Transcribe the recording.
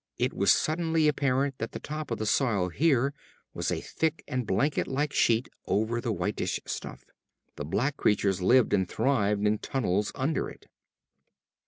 It was suddenly apparent that the top of the soil, here, was a thick and blanket like sheet over the whitish stuff. The black creatures lived and thrived in tunnels under it.